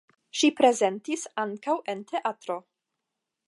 Ŝi prezentis ankaŭ en teatro.